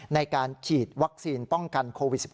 ในการฉีดวัคซีนป้องกันโควิด๑๙